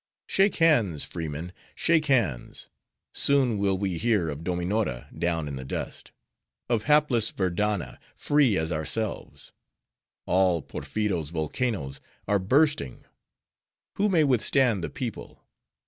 Shake hands, freemen, shake hands! Soon will we hear of Dominora down in the dust; of hapless Verdanna free as ourselves; all Porpheero's volcanoes are bursting! Who may withstand the people?